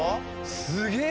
すげえ！